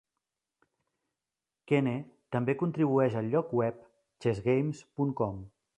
Keene també contribueix al lloc web ChessGames.com.